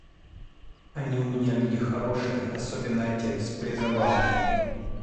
Они у меня люди хорошие, особенно отец: презабавный.